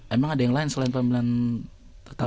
emang ada yang lain selain pemilihan tetap